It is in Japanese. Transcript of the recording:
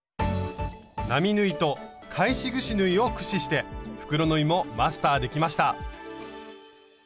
並縫いと返しぐし縫いを駆使して袋縫いもマスターできました！